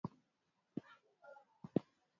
Vazi Hilo limetokana na asili ya kiarabu na kiislamu